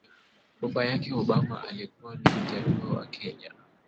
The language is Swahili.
Baba yake Obama alikuwa ni Mjaluo wa Kenya